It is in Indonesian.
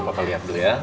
pak lihat dulu ya